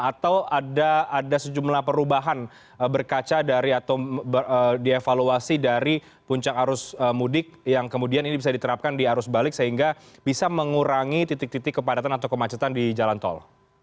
atau ada sejumlah perubahan berkaca dari atau dievaluasi dari puncak arus mudik yang kemudian ini bisa diterapkan di arus balik sehingga bisa mengurangi titik titik kepadatan atau kemacetan di jalan tol